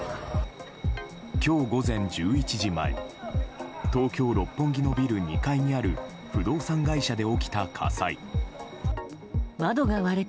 今日午前１１時前東京・六本木のビル２階にある不動産会社で起きた火災。